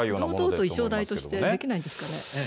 堂々と衣装代としてできないんですかね。